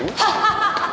ハハハハ。